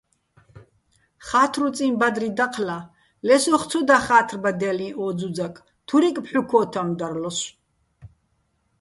ხა́თრუწიჼ ბადრი დაჴლა, ლე სოხ ცო დახა́თრბადჲალიჼ ო ძუძაკ, თურიკ ფჰ̦უ-ქო́თამ დარლოსო̆.